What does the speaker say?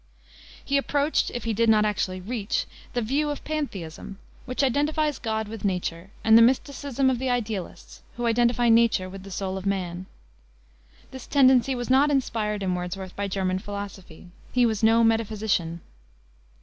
He approached, if he did not actually reach, the view of Pantheism, which identifies God with Nature; and the mysticism of the Idealists, who identify Nature with the soul of man. This tendency was not inspired in Wordsworth by German philosophy. He was no metaphysician.